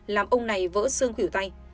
làm ông này vỡ xương khỉu tay